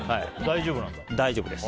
大丈夫です。